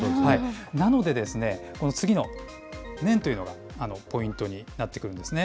なのでですね、この次の年というのがポイントになってくるんですね。